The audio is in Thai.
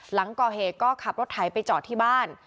หลังก่อเหตุก็ขับรถไถไปจอดที่บ้าน